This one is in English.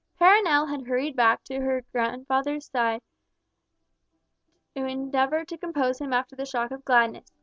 Perronel had hurried back to her grandfather's side to endeavour to compose him after the shock of gladness.